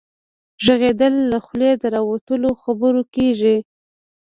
ږغيدل له خولې د راوتلو خبرو کيږي.